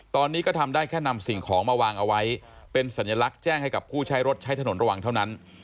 ตอนนี้ก็ทำได้แค่นำสิ่งของมาวางเอาไว้เป็นสัญลักษณ์แจ้งให้กับผู้ใช้รถใช้ถนนระวังเท่านั้น